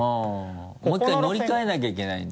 もう１回乗り換えなきゃいけないんだ。